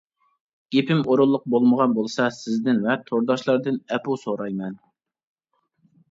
گېپىم ئورۇنلۇق بولمىغان بولسا سىزدىن ۋە تورداشلاردىن ئەپۇ سورايمەن.